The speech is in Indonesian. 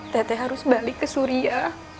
tete harus balik ke suria